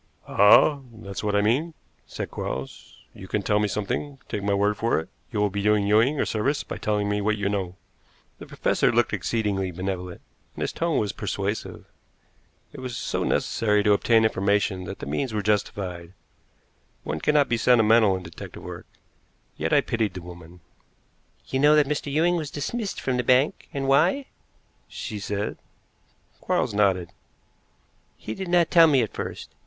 "Ah, that is what I mean," said Quarles. "You can tell me something. Take my word for it, you will be doing Ewing a service by telling me what you know." The professor looked exceedingly benevolent, and his tone was persuasive. It was so necessary to obtain information that the means were justified one cannot be sentimental in detective work yet I pitied the woman. "You know that Mr. Ewing was dismissed from the bank and why?" she said. Quarles nodded. "He did not tell me at first.